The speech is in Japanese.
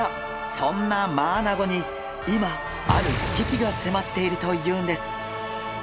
そんなマアナゴに今ある危機が迫っているというんです！